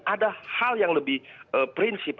ada hal yang lebih prinsip